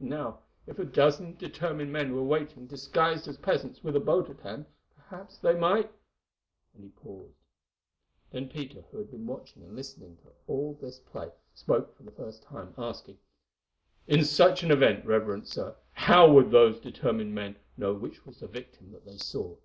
Now, if a dozen determined men were waiting disguised as peasants with a boat at hand, perhaps they might——" and he paused. Then Peter, who had been watching and listening to all this play, spoke for the first time, asking: "In such an event, reverend Sir, how would those determined men know which was the victim that they sought?"